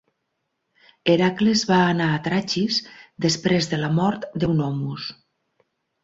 Heracles va anar a Trachis després de la mort d"Eunomus.